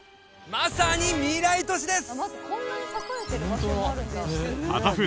まさに未来都市です